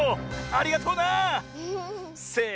ありがとうな！せの。